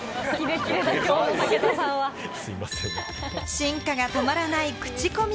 進化が止まらないクチコミ